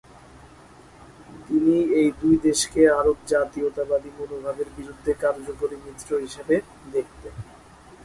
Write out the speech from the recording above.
তিনি এই দুই দেশকে আরব জাতীয়তাবাদী মনোভাবের বিরুদ্ধে কার্যকরী মিত্র হিসেবে দেখতেন।